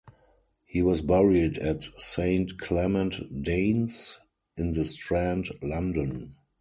He was buried at Saint Clement Danes in The Strand, London.